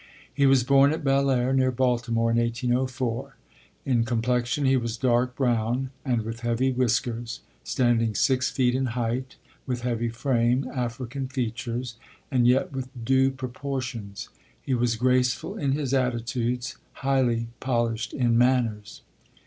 He was born at Belaire, near Baltimore, in 1804. In complexion he was dark brown, and with heavy whiskers; standing six feet in height, with heavy frame, African features, and yet with due proportions; he was graceful in his attitudes, highly polished in manners.